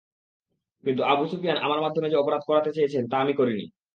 কিন্তু Abu Sufyan আমার মাধ্যমে যে অপরাধ করাতে চেয়েছেন তা আমি করিনি।